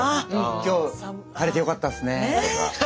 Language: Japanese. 「今日晴れてよかったっすね」とか。